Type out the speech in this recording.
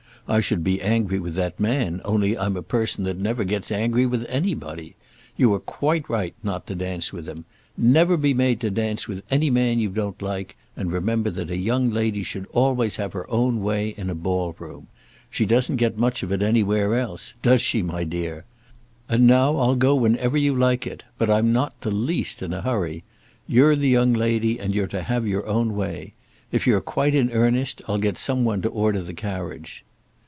I should be angry with that man, only I'm a person that never gets angry with anybody. You were quite right not to dance with him. Never be made to dance with any man you don't like; and remember that a young lady should always have her own way in a ball room. She doesn't get much of it anywhere else; does she, my dear? And now I'll go whenever you like it, but I'm not the least in a hurry. You're the young lady, and you're to have your own way. If you're quite in earnest, I'll get some one to order the carriage."